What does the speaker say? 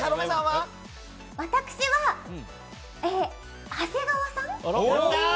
私は長谷川さん。